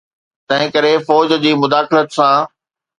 تنهنڪري فوج جي مداخلت سان.